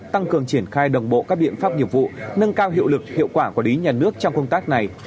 tăng cường triển khai đồng bộ các biện pháp nghiệp vụ nâng cao hiệu lực hiệu quả quản lý nhà nước trong công tác này